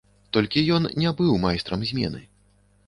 Толькі ён не быў майстрам змены.